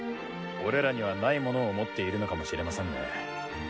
俺らにはないものを持っているのかもしれませんね。